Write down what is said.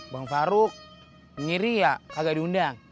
bang farug nyiri ya kagak diundang